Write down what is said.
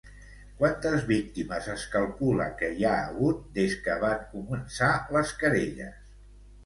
Quantes víctimes es calcula que hi ha hagut des que van començar les querelles?